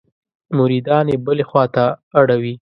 مریدان یې بلې خوا ته اړوي.